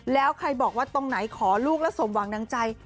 แล้วใครบอกว่าตรงไหนขอลูกแล้วสมหวังดังใจ